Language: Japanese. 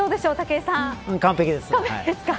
完璧です。